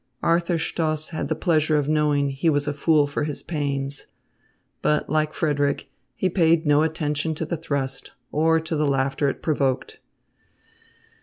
Arthur Stoss had the pleasure of knowing he was a fool for his pains. But, like Frederick, he paid no attention to the thrust, or to the laughter it provoked.